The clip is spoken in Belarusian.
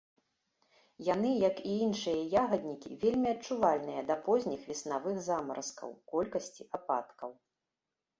Яны, як і іншыя ягаднікі, вельмі адчувальныя да позніх веснавых замаразкаў, колькасці ападкаў.